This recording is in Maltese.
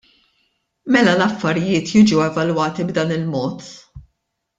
Mela l-affarijiet jiġu evalwati b'dan il-mod?